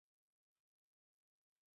imekosoa uhuru wa vyombo vya habari